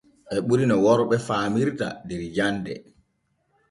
E ɓuri no worɓe faamirta der jande.